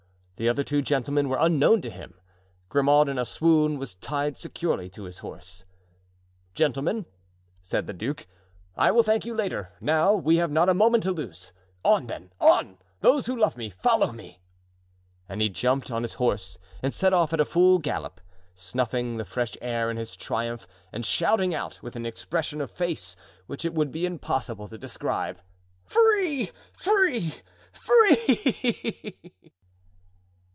The other two gentlemen were unknown to him. Grimaud, in a swoon, was tied securely to a horse. "Gentlemen," said the duke, "I will thank you later; now we have not a moment to lose. On, then! on! those who love me, follow me!" And he jumped on his horse and set off at full gallop, snuffing the fresh air in his triumph and shouting out, with an expression of face which it would be impossible to describe: "Free! free! free!"